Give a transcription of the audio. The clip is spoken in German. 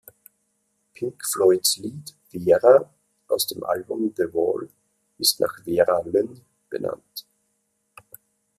Pink Floyds Lied "Vera" aus dem Album The Wall ist nach Vera Lynn benannt.